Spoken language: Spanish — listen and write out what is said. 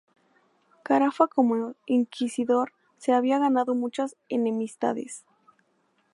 Carafa como inquisidor se había ganado muchas enemistades.